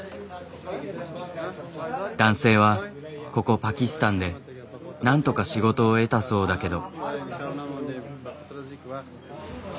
男性はここパキスタンでなんとか仕事を得たそうだけど。